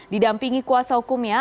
didampingi kuasa hukumnya